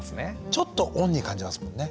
ちょっと恩義感じますもんね。